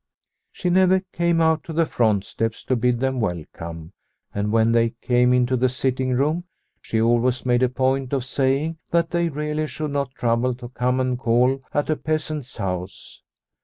She never came out to the front steps to bid them welcome, and The Silver Thaler 129 when they came into the sitting room she always made a point of saying that they really should not trouble to come and call at a peasant's house.